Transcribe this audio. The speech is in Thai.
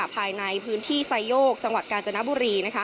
ภายในพื้นที่ไซโยกจังหวัดกาญจนบุรี